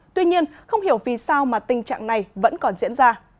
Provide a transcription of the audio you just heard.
tuy nhiên không hiểu vì sao mà tình trạng này vẫn còn diễn ra